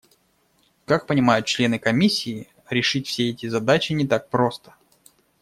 Как понимают члены Комиссии, решить все эти задачи не так просто.